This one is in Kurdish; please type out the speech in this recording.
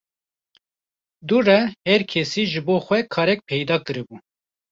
Dû re her kesî ji bo xwe karek peyda kiribû